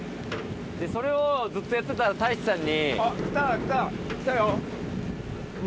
それをずっとやってたら太一さんに。